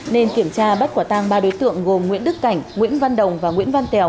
nên kiểm tra bắt quả tang ba đối tượng gồm nguyễn đức cảnh nguyễn văn đồng và nguyễn văn tèo